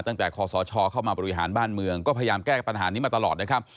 คอสชเข้ามาบริหารบ้านเมืองก็พยายามแก้ปัญหานี้มาตลอดนะครับ